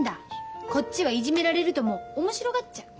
こっちはいじめられるともう面白がっちゃう。